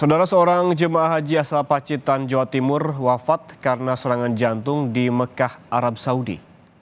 saudara seorang jemaah haji asal pacitan jawa timur wafat karena serangan jantung di mekah arab saudi